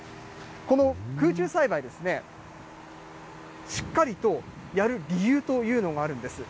この空中栽培ですね、しっかりとやる理由というのがあるんです。